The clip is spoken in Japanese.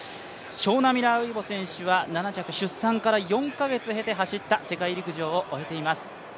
ショウナ・ミラーウイボ選手は７着、出産から４か月を経て走った世界陸上を終えています。